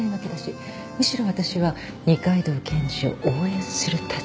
むしろ私は二階堂検事を応援する立場。